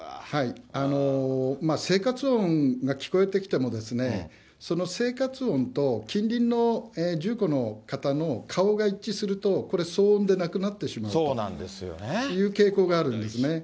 生活音が聞こえてきても、その生活音と近隣の住戸の方の顔が一致すると、これ、騒音でなくなってしまうという傾向があるんですよね。